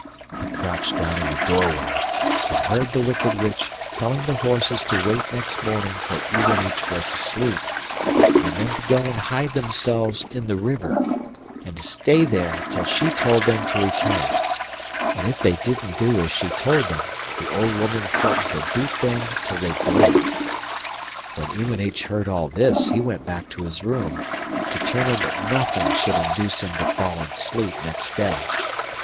He crouched down in the doorway and heard the wicked witch telling the horses to wait next morning till Iwanich was asleep, and then to go and hide themselves in the river, and to stay there till she told them to return; and if they didn't do as she told them the old woman threatened to beat them till they bled. When Iwanich heard all this he went back to his room, determined that nothing should induce him to fall asleep next day.